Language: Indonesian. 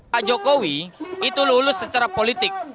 pak jokowi itu lulus secara politik